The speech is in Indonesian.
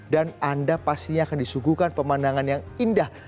dan anda pastinya akan disuguhkan pemandangan yang indah